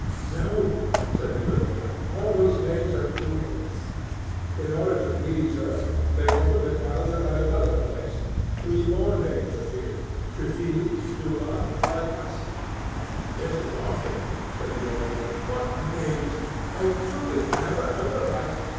"No," said the good woman, "all those names are poor." In order to please her, they opened the calendar at another place; three more names appeared, Triphily, Dula, and Varakhasy. "This is awful," said the old woman. "What names! I truly never heard the like.